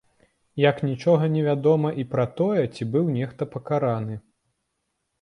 Як нічога не вядома і пра тое, ці быў нехта пакараны.